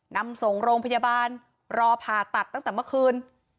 นำส่งโรงพยาบาลรอผ่าตัดตั้งแต่เมื่อคืน